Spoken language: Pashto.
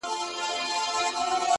• او د بت سترگي يې ښې ور اب پاشي کړې ـ